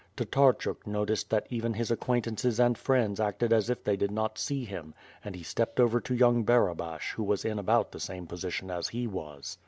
Tatarchuk noticed that even his acquaintances and friends acted as if they did not see him and he stepped over to young Barabash who was in about the same position as he was.